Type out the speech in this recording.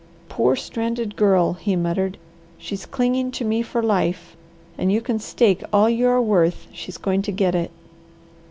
"Poor stranded Girl," he muttered. "She's clinging to me for life, and you can stake all you are worth she's going to get it!"